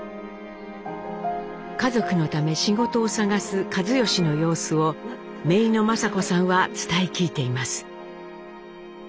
家族のため仕事を探す一嚴の様子をめいの仁子さんは伝え聞いています。